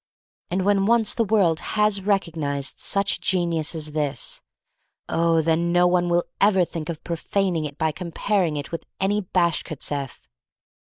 And when once the world has recognized such geniu^ as this — oh, then no one will ever think of profaning it by comparing it with any Bashkirtseff!